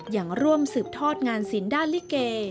อย่างร่วมสืบทอดงานสินด้านธรรมดิ์ลิเก